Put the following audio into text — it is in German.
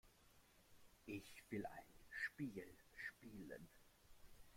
Ich will ein Spiel spielen.